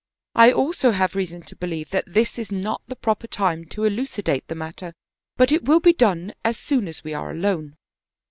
I also have reason to believe that this is not the proper time to eluci date the matter, but it will be done as soon as we are alone."